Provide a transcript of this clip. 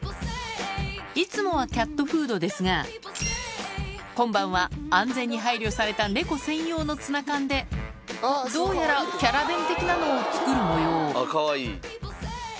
いつもはキャットフードですが今晩は安全に配慮された猫専用のツナ缶でどうやらキャラ弁的なのを作るもようかわいい。